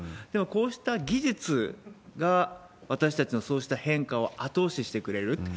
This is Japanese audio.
こうした技術が私たちのそうした変化を後押ししてくれると。